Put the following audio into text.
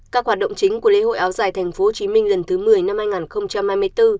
các hoạt động chính của lễ hội áo dài tp hcm lần thứ một mươi năm hai nghìn hai mươi bốn